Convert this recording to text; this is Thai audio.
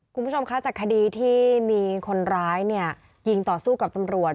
คุณผู้ชมคะจากคดีที่มีคนร้ายเนี่ยยิงต่อสู้กับตำรวจ